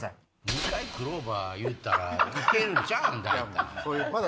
２回「クローバー」言うたら行けるんちゃうん？